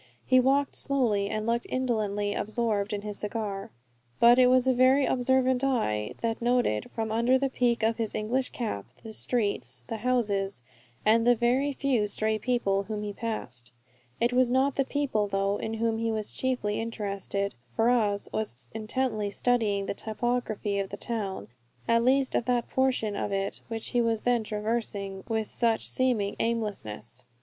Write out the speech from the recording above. He walked slowly, and looked indolently absorbed in his cigar. But it was a very observant eye that noted, from under the peak of his English cap, the streets, the houses, and the very few stray people whom he passed. It was not the people, though, in whom he was chiefly interested. Ferrars was intently studying the topography of the town, at least of that portion of it which he was then traversing with such seeming aimlessness.